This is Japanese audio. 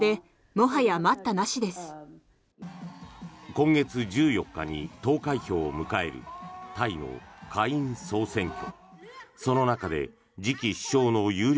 今月１４日に投開票を迎えるタイの下院総選挙。